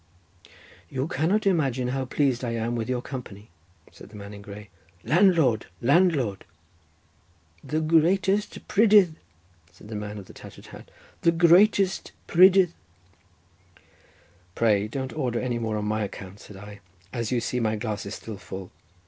"You cannot imagine how pleased I am with your company," said the man in grey. "Landlord, landlord!" "The greatest prydydd," said the man of the tattered hat, "the greatest prydydd." "Pray don't order any more on my account," said I, "as you see my glass is still full.